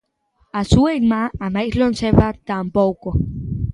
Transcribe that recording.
A súa irmá, a máis lonxeva, tampouco.